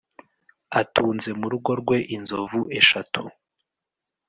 Atunze mu rugo rwe inzovu eshatu.